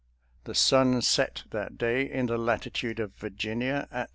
The sun set that day in the latitude of Virginia at 7.